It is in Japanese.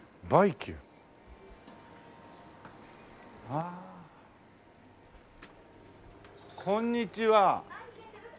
あっこんにちは。